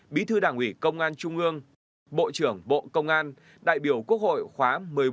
bí thư đảng ủy công an trung ương bộ trưởng bộ công an đại biểu quốc hội khóa một mươi bốn một mươi năm